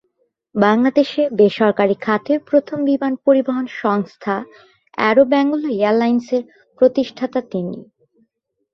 বাংলাদেশে বেসরকারি খাতের প্রথম বিমান পরিবহন সংস্থা অ্যারো বেঙ্গল এয়ারলাইন্সের প্রতিষ্ঠাতা তিনি।